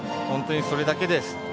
本当にそれだけです。